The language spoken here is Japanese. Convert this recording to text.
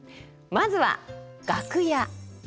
まずは「楽屋」。